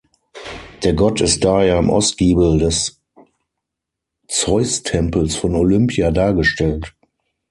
Der Gott ist daher im Ostgiebel des Zeustempels von Olympia dargestellt.